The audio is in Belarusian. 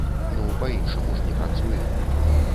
Ну па-іншаму ж не працуе.